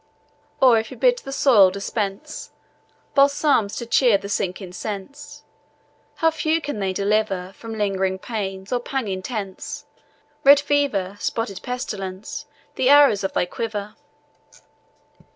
Or if he bid the soil dispense Balsams to cheer the sinking sense, How few can they deliver From lingering pains, or pang intense, Red Fever, spotted Pestilence, The arrows of thy quiver!